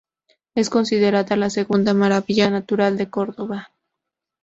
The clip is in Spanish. Es considerada la segunda Maravilla Natural de Córdoba.